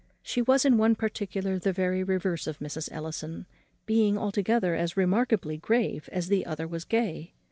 She was in one particular the very reverse of Mrs. Ellison, being altogether as remarkably grave as the other was gay.